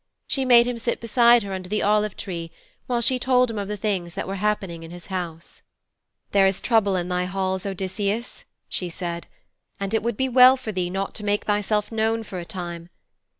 She made him sit beside her under the olive tree while she told him of the things that were happening in his house. 'There is trouble in thy halls, Odysseus,' she said, 'and it would be well for thee not to make thyself known for a time.